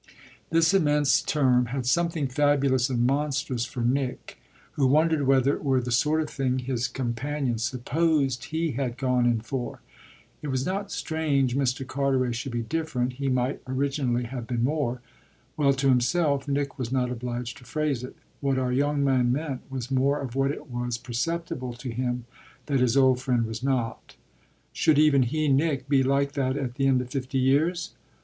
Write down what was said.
This immense term had something fabulous and monstrous for Nick, who wondered whether it were the sort of thing his companion supposed he had gone in for. It was not strange Mr. Carteret should be different; he might originally have been more well, to himself Nick was not obliged to phrase it: what our young man meant was more of what it was perceptible to him that his old friend was not. Should even he, Nick, be like that at the end of fifty years?